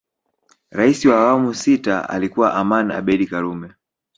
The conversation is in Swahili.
Rais wa awamu sita alikuwa Aman Abeid karume